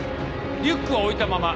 リュックは置いたまま。